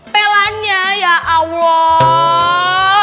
pelannya ya allah